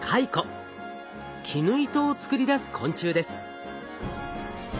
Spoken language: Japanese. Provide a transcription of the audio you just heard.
絹糸を作り出す昆虫です。